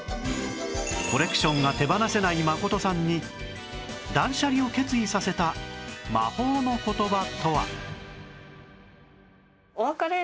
コレクションが手放せないまことさんに断捨離を決意させた魔法の言葉とは